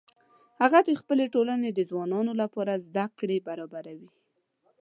هغه د خپلې ټولنې د ځوانانو لپاره زده کړې برابروي